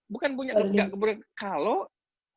bukan punya keberanian